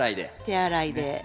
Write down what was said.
手洗いで。